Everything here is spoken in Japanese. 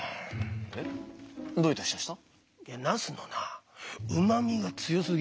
えっどういたしやした？